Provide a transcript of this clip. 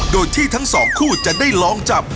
โดยที่ทั้งสองคู่จะได้ลองจับ